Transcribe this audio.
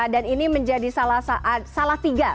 dan ini menjadi salah tiga